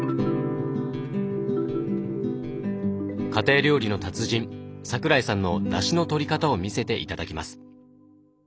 家庭料理の達人桜井さんのだしのとり方を見せて頂きます。